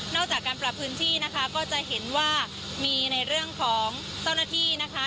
จากการปรับพื้นที่นะคะก็จะเห็นว่ามีในเรื่องของเจ้าหน้าที่นะคะ